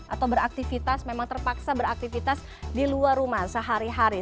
atau beraktivitas memang terpaksa beraktivitas di luar rumah sehari hari